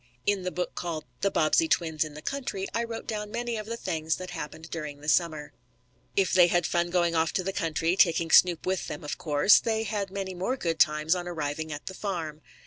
In the book called "The Bobbsey Twins in the Country," I wrote down many of the things that happened during the summer. If they had fun going off to the country, taking Snoop with them, of course, they had many more good times on arriving at the farm.